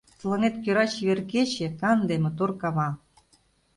Тыланет кӧра чевер кече, Канде, мотор кава.